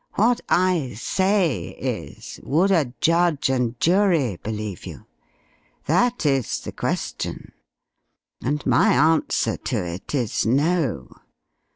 "What I say is: 'Would a judge and jury believe you?' That is the question. And my answer to it is, 'No.'